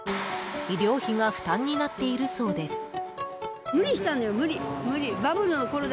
医療費が負担になっているそうです。